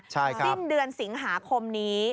สิ้นเดือนสิงหาคมนี้